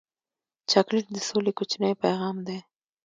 چاکلېټ د سولې کوچنی پیغام دی.